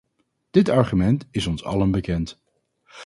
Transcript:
Dit argument is ons allen bekend.